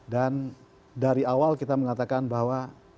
dan dari awal kita mengatakan bahwa